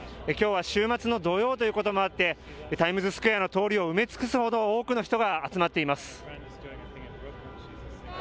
きょうは週末の土曜日ということもあってタイムズスクエアの通りを埋め尽くすほど多くの人が集まっています。